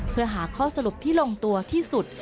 เพื่อหาข้อสรุปที่ลงตัวที่สุด